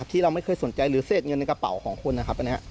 ที่เราไม่เคยสนใจหรือเศษเงินในกระเป๋าของคุณนะครับ